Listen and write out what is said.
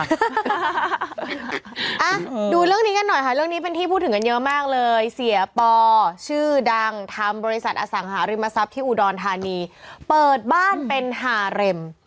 อ่ะดูเรื่องนี้กันหน่อยค่ะเรื่องนี้เป็นที่พูดถึงกันเยอะมากเลยเสียปอชื่อดังทำบริษัทอสังหาริมทรัพย์ที่อุดรธานีเปิดบ้านเป็นฮาเร็ม